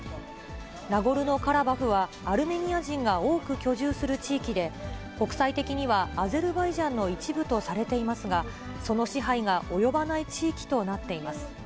ナゴルノカラバフは、アルメニア人が多く居住する地域で、国際的にはアゼルバイジャンの一部とされていますが、その支配が及ばない地域となっています。